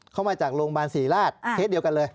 เข้ามาจากโรงพยาบาลศรีราชเคสเดียวกันเลย